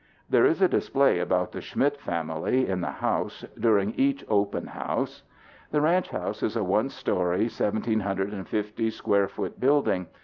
There is a display about the Schmidt family in the house during each open house. The ranch house is a one story, 1,750 square foot building.